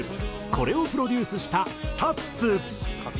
これをプロデュースしたＳＴＵＴＳ。